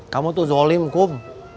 kamu tuh zolim kum